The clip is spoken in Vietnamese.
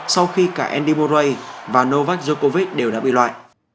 sau khi cả andy murray và novak djokovic đều đã bị loại